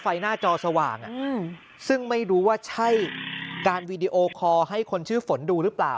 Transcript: หน้าจอสว่างซึ่งไม่รู้ว่าใช่การวีดีโอคอร์ให้คนชื่อฝนดูหรือเปล่า